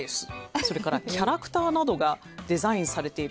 それからキャラクターなどがデザインされている。